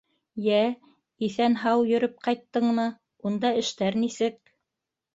— Йә, иҫән-һау йөрөп ҡайттыңмы, унда эштәр нисек?